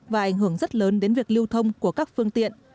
và ảnh hưởng rất lớn đến việc lưu thông của các phương tiện